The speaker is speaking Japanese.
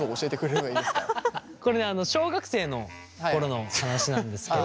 これねあの小学生の頃の話なんですけど。